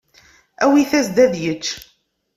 Awit-as-d ad yečč.